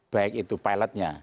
baik itu pilotnya